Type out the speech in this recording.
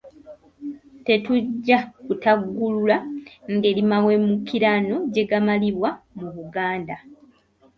Tetujja kutaggulula ngeri mawemukirano gye gamalibwamu mu Buganda.